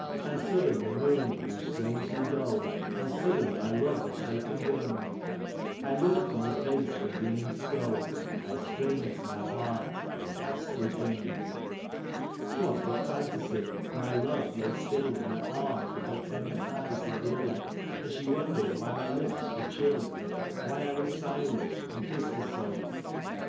And sudden the moon grew strangely dull. And sudden my love had taken wing ; I looked on the face of a grinning skull, I strained to my heart a ghastly thing. 'Twas but fantasy, for my love lay still In my arms with her tender eyes aglow. And she wondered why my lips were chill, Why I was silent and kissed her so.